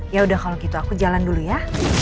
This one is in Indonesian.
ya udah kalau gitu aku jalan dulu ya